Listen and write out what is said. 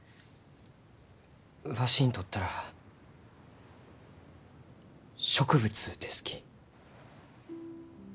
わしにとったら植物ですき。